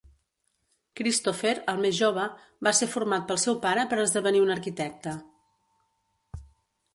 Christopher, el més jove, va ser format pel seu pare per esdevenir un arquitecte.